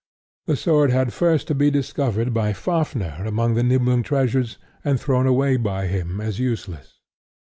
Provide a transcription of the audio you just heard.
The sword had first to be discovered by Fafnir among the Niblung treasures and thrown away by him as useless.